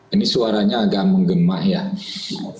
ini suaranya agak menggemas